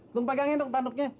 lu pegangin dong tanduknya